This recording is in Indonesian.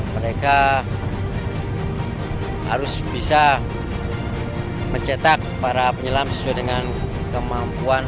mereka harus bisa mencetak para penyelam sesuai dengan kemampuan